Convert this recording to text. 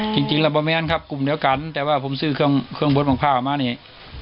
อ๋อจริงจริงแล้วแบบสามครับกลุ่มเดียวกันแต่ว่าผมซื้อเครื่องเครื่องบรุนภาพภาพหามานซ์เนี้ย